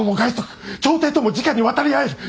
朝廷ともじかに渡り合える。